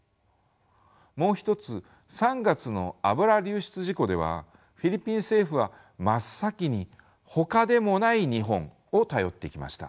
もう一つ３月の油流出事故ではフィリピン政府は真っ先にほかでもない日本を頼ってきました。